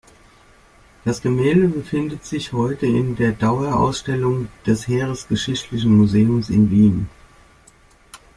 Das Gemälde befindet sich heute in der Dauerausstellung des Heeresgeschichtlichen Museums in Wien.